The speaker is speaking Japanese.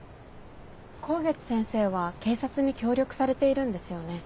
香月先生は警察に協力されているんですよね。